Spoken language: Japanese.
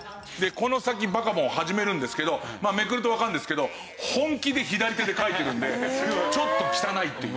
この先『バカボン』を始めるんですけどめくるとわかるんですけど本気で左手で描いてるんでちょっと汚いっていう。